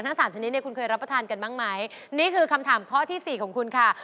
ถ้าไม่เชื่อจะตีก้นให้หน่อยดีกว่าดีกว่า